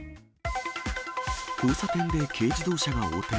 交差点で軽自動車が横転。